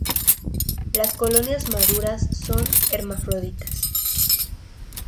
Las colonias maduras son hermafroditas.